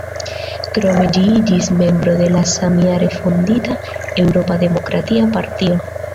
Krome ĝi iĝis membro de la samjare fondita Eŭropa Demokratia Partio.